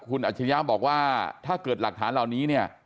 คุณอัจฉริยะบอกว่าถ้าเกิดหลักฐานเหล่านี้เนี่ย